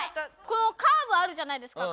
このカーブあるじゃないですか。